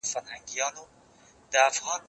دا درسونه له هغه مهم دي